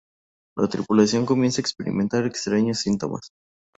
La tripulación comienza a experimentar extraños síntomas.